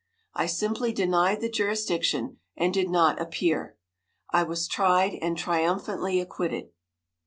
I simply denied the jurisdiction, and did not appear. I was tried, and triumphantly acquitted.